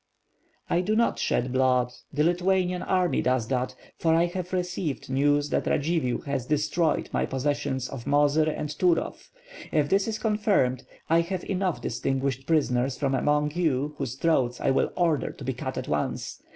"I do not shed blood, the Lithuanian army does that; for I have received news that Radzivill has destroyed my pos sessions of Mozyr and Turov. If this is confirmed, I have enough distinguished prisoners from among you whose throats I will order to be cut at once.